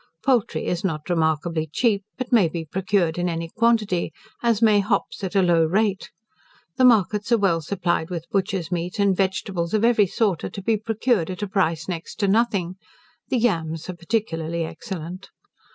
Poultry is not remarkably cheap, but may be procured in any quantity; as may hops at a low rate. The markets are well supplied with butcher's meat, and vegetables of every sort are to be procured at a price next to nothing; the yams are particularly excellent.